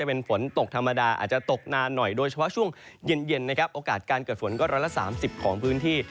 เป็นฝนตกธรรมดาอาจจะตกนานหน่อยโดยเฉพาะช่วงเย็นนะครับโอกาสการเกิดฝนก็ร้อยละ๓๐ของพื้นที่